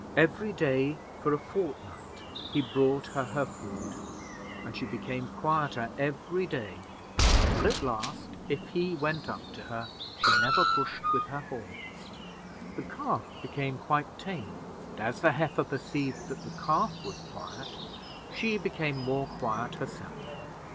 Every day for a fortnight he brought her food, and she became quieter every day, till at last if he went up to her, she never pushed with her horns. The calf became quite tame, and as the heifer perceived that the calf was quiet, she became more quiet herself.